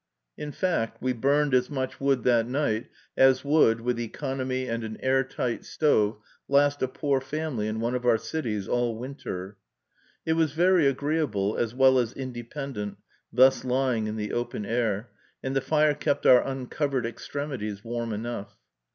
In fact, we burned as much wood that night as would, with economy and an air tight stove, last a poor family in one of our cities all winter. It was very agreeable, as well as independent, thus lying in the open air, and the fire kept our uncovered extremities warm enough.